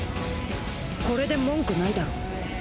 これで文句ないだろ。